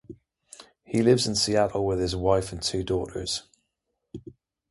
He lives in Seattle with his wife and two daughters.